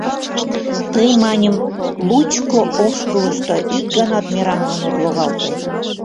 Тый, маньым, лучко ошкылышто ик ганат мераҥлан от логалте.